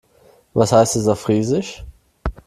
Was heißt das auf Friesisch?